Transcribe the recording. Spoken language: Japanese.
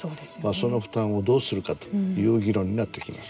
その負担をどうするかという議論になってきます。